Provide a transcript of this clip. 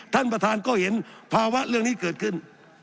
ท่านประธานก็เห็นภาวะเรื่องนี้เกิดขึ้น